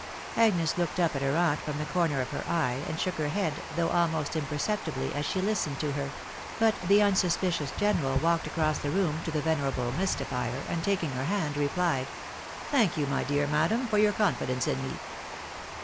Agnes looked up at hei; aunt from the corner of her eye, and shook her head, though almost imperceptibly, as she listened to her ; but the unsuspicious general walked across the room to the venerable mystifler, and taking her hand, replied, " Thank you, dear madam, for your confidence in me.